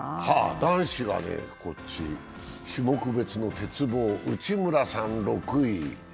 男子種目別の鉄棒、内村さん６位。